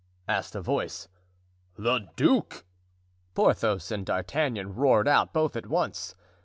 asked a voice. "The duke!" Porthos and D'Artagnan roared out both at once.